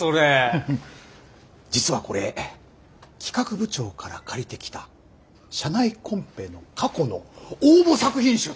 フフッ実はこれ企画部長から借りてきた社内コンペの過去の応募作品集だ。